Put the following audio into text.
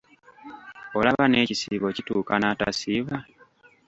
Olaba n'ekisiibo kituuka n'atasiiba!